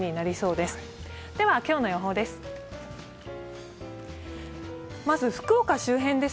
では今日の予報です。